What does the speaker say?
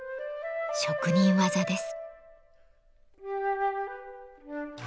職人技です。